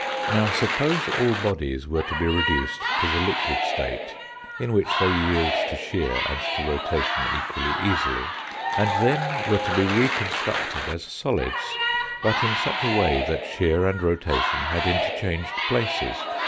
Now, suppose all bodies were to be reduced to the liquid state, in which they yield to shear and to rotation equally easily, and then were to be reconstructed as solids, but in such a way that shear and rotation had interchanged places.